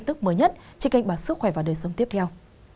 trên kênh bản sức khỏe và đời sống tiếp theo